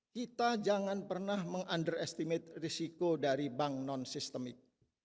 kita jangan pernah meng under estimate risiko dari bank non sistemik